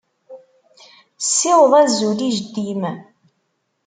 Ssiweḍ azul i jeddi-m.